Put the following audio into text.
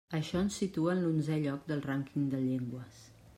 Això ens situa en l'onzè lloc del rànquing de llengües.